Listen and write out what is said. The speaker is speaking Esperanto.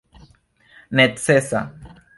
necesa